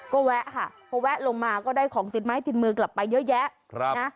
ก็แวะค่ะพอแวะลงมาก็ได้ของติดไม้ติดมือกลับไปเยอะแยะนะ